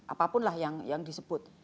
apapun yang disebut